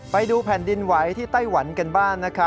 ไปดูแผ่นดินไหว้ที่ไต้หวันกันบ้าง